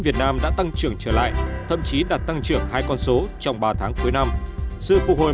việt nam đã tăng trưởng trở lại thậm chí đạt tăng trưởng hai con số trong ba tháng cuối năm sự phục hồi